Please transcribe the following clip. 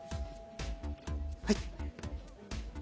はい。